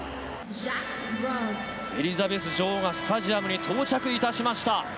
エリザベス女王がスタジアムに到着いたしました。